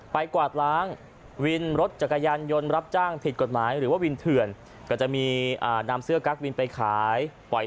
ไปกวาดล้างวินรถจักรยานยนต์รับจ้างผิดกฎหมาย